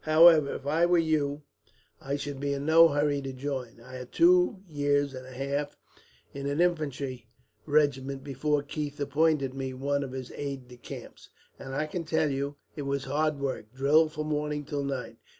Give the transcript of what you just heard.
However, if I were you, I should be in no hurry to join. I had two years and a half in an infantry regiment, before Keith appointed me one of his aides de camp, and I can tell you it was hard work drill from morning till night.